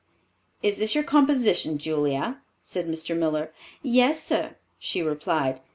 "Is this your composition, Julia?" said Mr. Miller. "Yes, sir," she replied.